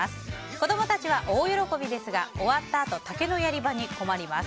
子供たちは大喜びですが終わったあと竹のやり場に困ります。